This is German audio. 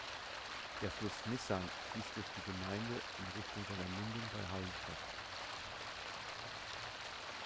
Der Fluss Nissan fließt durch die Gemeinde in Richtung seiner Mündung bei Halmstad.